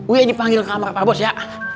gue dipanggil ke kamar pak bos ya